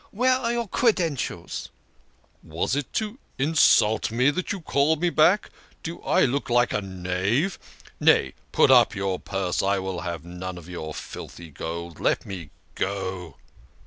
"Where are your credentials ?" "Was it to insult me that you called me back? Do I look a knave? Nay, put up your purse. I'll have none of your filthy gold. Let me go."